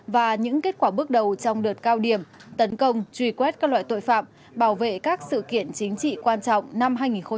và những kết quả bước đầu trong đợt cao điểm tấn công truy quét các loại tội phạm bảo vệ các sự kiện chính trị quan trọng năm hai nghìn một mươi tám